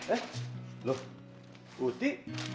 eh loh uti